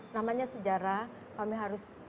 namanya sejarah kami harus